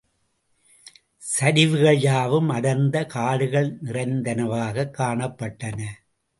சரிவுகள் யாவும் அடர்ந்த காடுகள் நிறைந்தனவாகக் காணப்பட்டன.